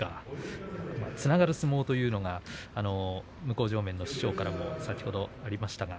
つながる相撲というのが向正面の師匠からも先ほどありました。